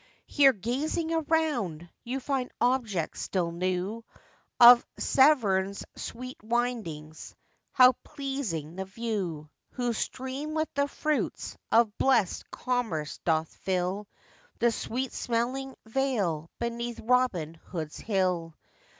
Here, gazing around, you find objects still new, Of Severn's sweet windings, how pleasing the view, Whose stream with the fruits of blessed commerce doth fill The sweet smelling vale beneath 'Robin Hood's Hill.